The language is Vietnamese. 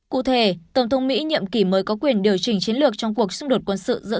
cụ thể tổng thống mỹ nhiệm kỳ mới có quyền điều chỉnh chiến lược trong cuộc xung đột quân sự giữa